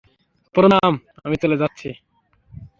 প্রণাম, আমি চলে যাচ্ছি।